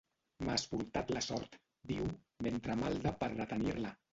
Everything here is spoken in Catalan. M'has portat la sort —diu, mentre malda per retenir-la.